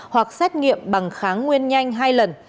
hoặc xét nghiệm bằng kháng nguyên nhanh hai lần